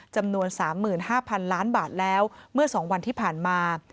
จำนวน๓๕๐๐๐ล้านบาทแล้วเมื่อ๒วันที่ผ่านมา